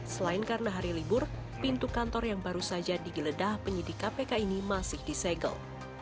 selain karena hari libur pintu kantor yang baru saja digeledah penyidik kpk ini masih disegel